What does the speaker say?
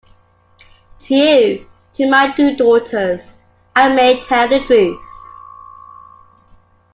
To you — to my two daughters — I may tell the truth.